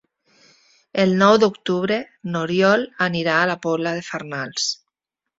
El nou d'octubre n'Oriol anirà a la Pobla de Farnals.